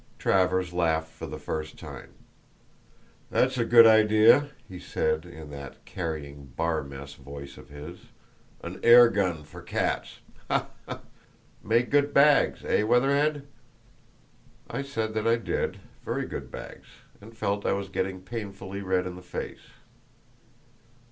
Travers laughed for the first time. "That's a good idea," he said, in that carrying "bar mess" voice of his; "an air gun for cats, ha, ha! Make good bags, eh, Weatherhead?" I said that I did, very good bags, and felt I was getting painfully red in the face.